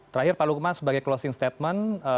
terakhir pak lukman sebagai closing statement